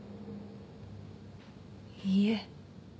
いいえ。